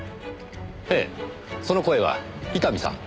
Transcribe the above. ええその声は伊丹さん。